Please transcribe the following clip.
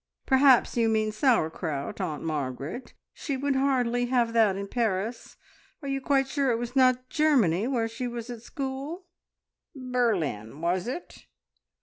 "Perhaps you mean sauerkraut, Aunt Margaret. She would hardly have that in Paris. Are you quite sure it was not Germany where she was at school?" "Berlin, was it?